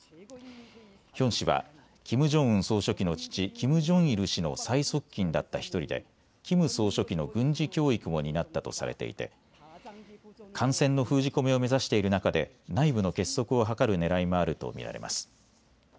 ヒョン氏はキム・ジョンウン総書記の父、キム・ジョンイル氏の最側近だった１人でキム総書記の軍事教育も担ったとされていて、感染の封じ込めを目指している中で内部の結束を図るねらいもあると見られます。